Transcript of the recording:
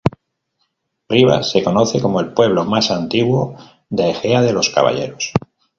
Rivas se conoce como el pueblo más antiguo de Ejea de los Caballeros.